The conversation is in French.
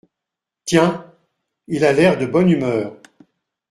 Tiens ! il a l’air de bonne humeur !